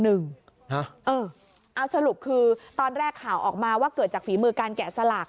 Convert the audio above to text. เอาสรุปคือตอนแรกข่าวออกมาว่าเกิดจากฝีมือการแกะสลัก